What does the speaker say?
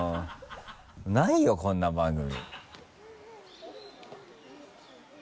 ないよこんな番組。